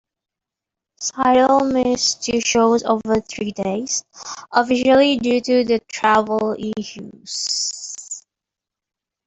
Sydal missed two shows over three days, officially due to "travel issues".